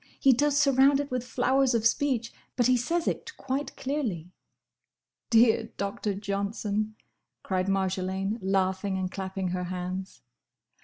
He does surround it with flowers of speech, but he says it quite clearly." "Dear Doctor Johnson!" cried Marjolaine, laughing, and clapping her hands.